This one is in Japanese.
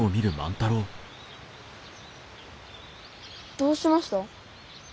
どうしました？